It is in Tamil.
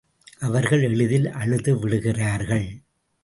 அவர்கள் எளிதில் அழுது விடுகிறார்கள்.